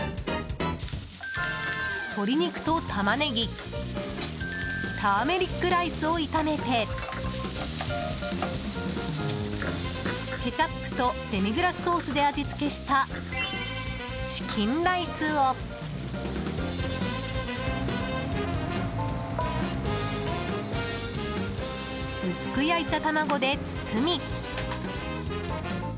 鶏肉とタマネギターメリックライスを炒めてケチャップとデミグラスソースで味付けしたチキンライスを薄く焼いた卵で包み。